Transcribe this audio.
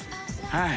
はい。